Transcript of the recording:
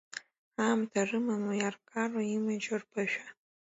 Аамҭа рымаму, иаркароу, имаҷу рԥышәа?